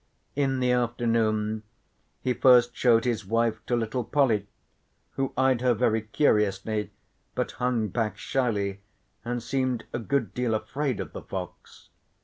In the afternoon he first showed his wife to little Polly, who eyed her very curiously but hung back shyly and seemed a good deal afraid of the fox.